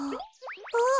あっ！